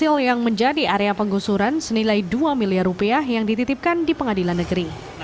mobil yang menjadi area penggusuran senilai dua miliar rupiah yang dititipkan di pengadilan negeri